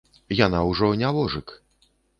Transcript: Яна ўжо не вожык.